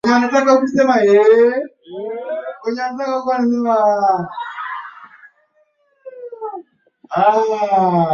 maanake ni kwamba wanahitaji maji mengi zaidi